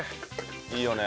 いいよね。